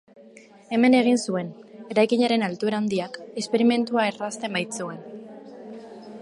Hemen egin zuen, eraikinaren altuera handiak, esperimentua errazten baitzuen.